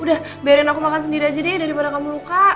udah biarin aku makan sendiri aja deh daripada kamu luka